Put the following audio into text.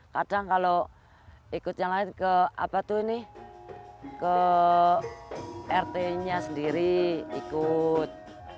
kadang kalau ikut yang lain ke apa tuh ini ke rt nya sendiri ikut